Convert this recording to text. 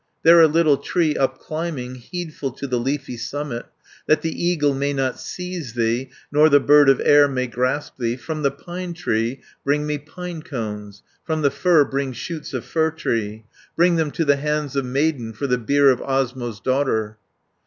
There a little tree upclimbing, Heedful to the leafy summit, 220 That the eagle may not seize thee, Nor the bird of air may grasp thee. From the pine tree bring me pine cones, From the fir bring shoots of fir tree, Bring them to the hands of maiden, For the beer of Osmo's daughter.'